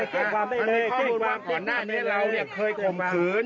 ตั้งครรภ์แล้วเราก็ไม่ได้เจ้งความเลยอย่ามาเรื่องปัญหา